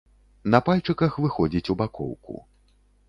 На пальчыках выходзіць у бакоўку.